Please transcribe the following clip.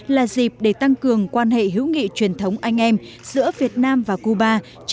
là dịp để tăng cường quan hệ hữu nghị truyền thống anh em giữa việt nam và cuba